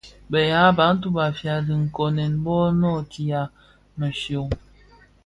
Bë yaa Bantu (Bafia) dhinkonèn bō noo nootia mëshyom.